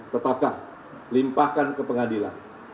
tetaplah limpahkan ke pengadilan